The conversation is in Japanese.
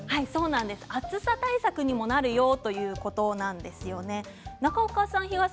暑さ対策にもなるよということなんですよね。